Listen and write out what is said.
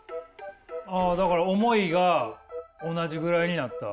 あだから思いが同じぐらいになった。